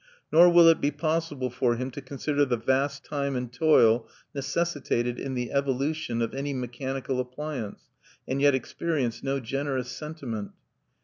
Nor will it be possible for him to consider the vast time and toil necessitated in the evolution, of any mechanical appliance, and yet experience no generous sentiment.